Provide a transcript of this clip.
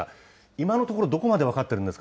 今のところ、どこまで分かってるんですか。